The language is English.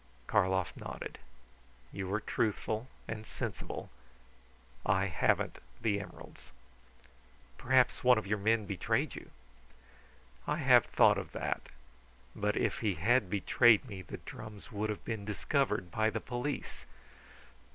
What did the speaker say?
Karlov nodded. "You are truthful and sensible I haven't the emeralds." "Perhaps one of your men betrayed you." "I have thought of that. But if he had betrayed me the drums would have been discovered by the police....